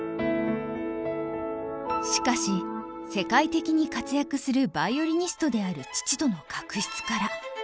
しかし世界的に活躍するヴァイオリニストである父との確執から。